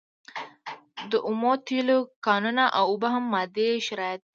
د اومو تیلو کانونه او اوبه هم مادي شرایط دي.